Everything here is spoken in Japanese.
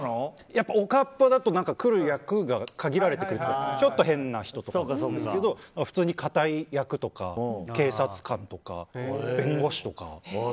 やっぱりおかっぱだと来る役が限られてくるというかちょっと変な人なんですけど普通に堅い役とか、警察官とか弁護士とか。